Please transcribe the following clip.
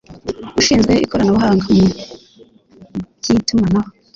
ushinzwe Ikoranabuhanga mu by Itumanaho